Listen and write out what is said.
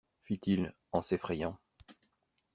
Fit-il, en s'effrayant.